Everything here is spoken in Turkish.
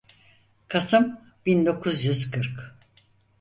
Kasım bin dokuz yüz kırk.